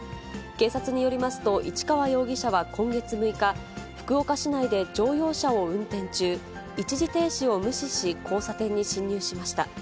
警察によりますと、市川容疑者は今月６日、福岡市内で乗用車を運転中、一時停止を無視し、交差点に進入しました。